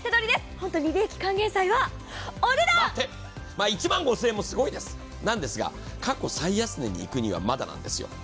本当に利益還元祭はお値段１万５０００円もすごいですが、過去最安値にいくにはまだなんです。